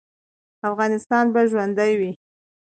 افغانستان به ژوندی وي؟